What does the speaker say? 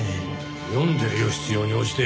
読んでるよ必要に応じて。